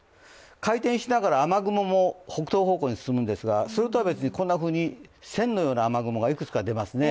回転しながら雨雲も北東方向へ進むんですがそれとは別に、こんなふうに線のような雨雲がいくつも出ますね。